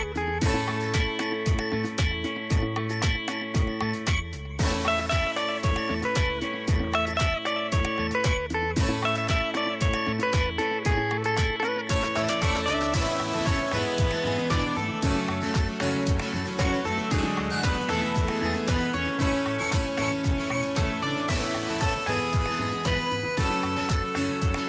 โปรดติดตามตอนต่อไป